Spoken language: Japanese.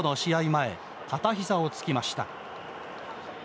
前片ひざをつきました。